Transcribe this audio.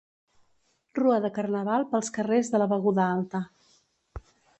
Rua de carnaval pels carrers de la Beguda Alta.